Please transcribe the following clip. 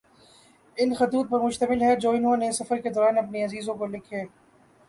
ان خطوط پر مشتمل ہیں جو انھوں نے سفر کے دوران اپنے عزیزوں کو لکھے